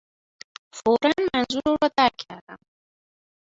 فورا منظور او را درک کردم.